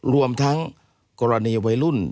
รวมทั้งกรณีวัยรุ่น